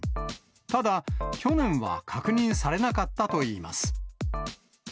ただ、去年は確認されなかったといいます。